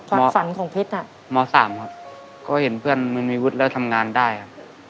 ความฝันของเพชรอ่ะม๓ครับก็เห็นเพื่อนมันมีวุฒิแล้วทำงานได้ครับ